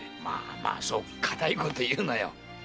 まあまあそうかたいこと言うなよ。